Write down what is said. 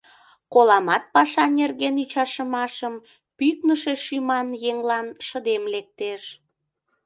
Коламат паша нерген ӱчашымашым, пӱкнышӧ шӱман еҥлан шыдем лектеш.